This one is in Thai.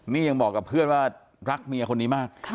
นี่ยังบอกกับเพื่อนว่ารักเมียคนนี้มาก